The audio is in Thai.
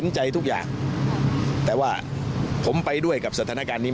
ร่วมในการจัดตั้งรัฐบาลอย่างครั้งนี้